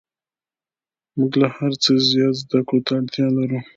موږ له هر څه زیات زده کړو ته اړتیا لرو